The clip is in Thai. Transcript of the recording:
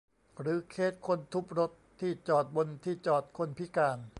หรือเคสคนทุบรถที่จอดบนที่จอดคนพิการ